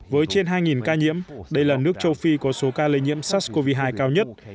với trên hai ca nhiễm đây là nước châu phi có số ca lây nhiễm sars cov hai cao nhất